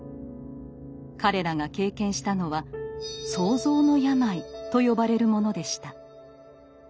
彼らが経験したのは「創造の病い」と呼ばれるものでした。